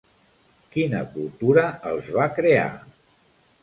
Quina cultura els va crear?